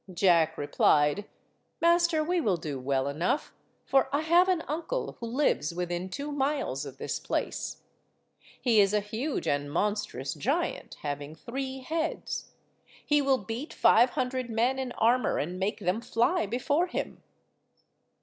Jack replied— "Master, we will do well enough, for I have an uncle who lives within two miles of this place. He is a huge and monstrous giant, having three heads. He will beat five hundred men in armour, and make them fly before him."